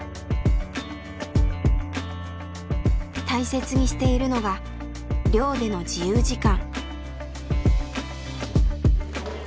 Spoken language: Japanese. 大切にしているのが寮での自由時間。